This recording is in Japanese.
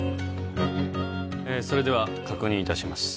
えそれでは確認いたします